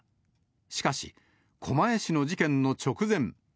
しかし、狛江市の事件の直前。